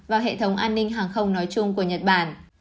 và hệ thống an ninh hàng không nói chung của nhật bản